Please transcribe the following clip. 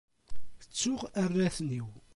Ttuɣ arraten-iw.